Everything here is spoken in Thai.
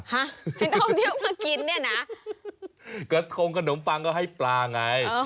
ให้น้องเที่ยวมากินเนี่ยนะกระทงขนมปังก็ให้ปลาไง